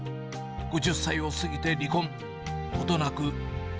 ５０歳を過ぎて離婚。